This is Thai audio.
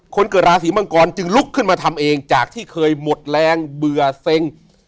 คนเกิดราศีมังกรจึงลุกขึ้นมาทำเองจากที่เคยหมดแรงเบื่อเซ็ง